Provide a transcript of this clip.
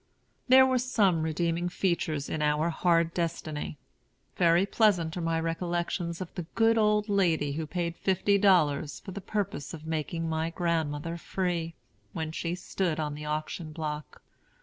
There were some redeeming features in our hard destiny. Very pleasant are my recollections of the good old lady who paid fifty dollars for the purpose of making my grandmother free, when she stood on the auction block.